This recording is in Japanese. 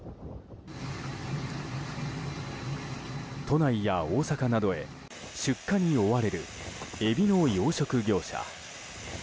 都内や大阪などへ出荷に追われるエビの養殖業者。